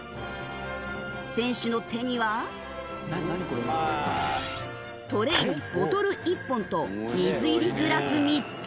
選手の手にはトレイにボトル１本と水入りグラス３つ。